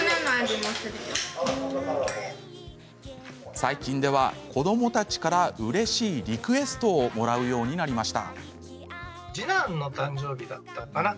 最近では、子どもたちからうれしいリクエストをもらうようになりました。